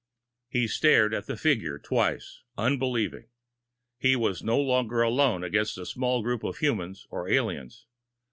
He stared at the figure twice, unbelieving. He was no longer alone against a small group of humans or aliens.